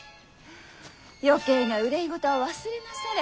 余計な憂い事は忘れなされ。